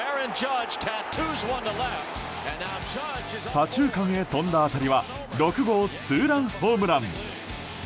左中間へ飛んだ当たりは６号ツーランホームラン。